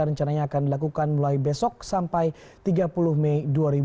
rencananya akan dilakukan mulai besok sampai tiga puluh mei dua ribu dua puluh